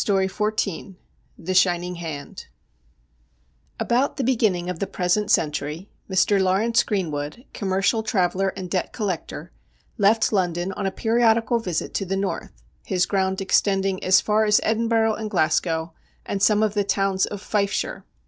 »73 XIV THE SHINING HAND About the beginning of the present century, Mr. Laurence Greenwood, commercial traveller and debt collector, left London on a periodical visit to the North, his ground extending as far as Edinburgh and Glasgow and some of the towns of Fifeshire.